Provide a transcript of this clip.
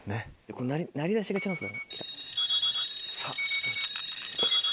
これ鳴り出しがチャンスだね。